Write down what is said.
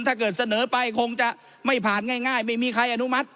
ถ้าเกิดเสนอไปคงจะไม่ผ่านง่ายไม่มีใครอนุมัติ